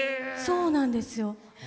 そうなんですよ。